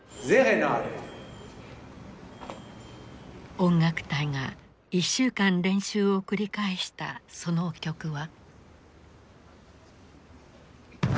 音楽隊が１週間練習を繰り返したその曲は。